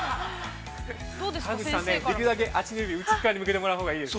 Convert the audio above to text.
◆川口さん、できるだけ足の指を内っかわに向けてもらうほうがいいです。